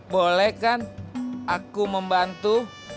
boleh kan aku membantu